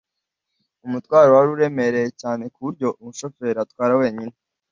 umutwaro wari uremereye cyane kuburyo umushoferi atwara wenyine